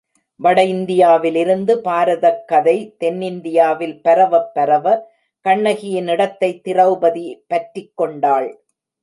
வட இந்தியாவிலிருந்து பாரதக் கதை தென்னிந்தியாவில் பரவப் பரவ, கண்ணகியின் இடத்தைத் திரெளபதி பற்றிக் கொண்டாள்.